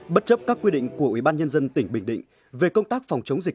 bất chấp các quy định của ubnd tỉnh bình định về công tác phòng chống dịch